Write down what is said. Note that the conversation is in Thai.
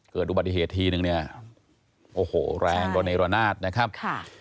เกิดอุบัติเหตุทีหนึ่งโอ้โหแรงกว่าในรณาศนะครับ